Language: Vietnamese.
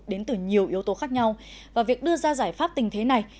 đến từ nhiều yếu tố khác nhau và việc đưa ra giải pháp tình thế này